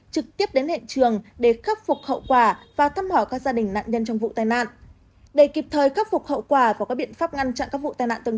trực tiếp đến hiện trường để khắc phục hậu quả và thăm hỏi các gia đình nạn nhân trong vụ tai nạn